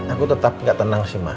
aku tetap gak tenang sih mak